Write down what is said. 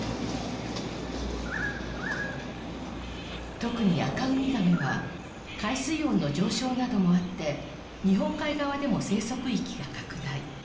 特にアカウミガメは海水温の上昇などもあって日本海側でも生息域が拡大